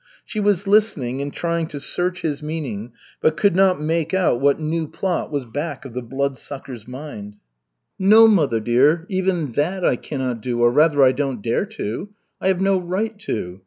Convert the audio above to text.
She was listening and trying to search his meaning, but could not make out what new plot was back of the Bloodsucker's mind. "No, mother dear, even that I cannot do, or rather I don't dare to. I have no right to.